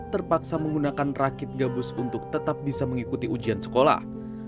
terpaksa menggunakan rakit gabus untuk tetap bisa mengikuti ujian sekolah